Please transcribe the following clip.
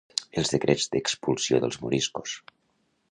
Els decrets d'expulsió dels moriscos